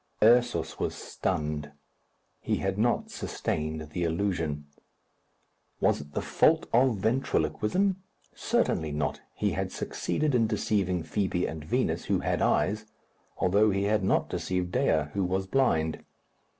Ursus was stunned. He had not sustained the illusion. Was it the fault of ventriloquism? Certainly not. He had succeeded in deceiving Fibi and Vinos, who had eyes, although he had not deceived Dea, who was blind.